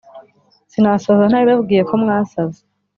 sinasoza ntabibabwiye ko mwasaze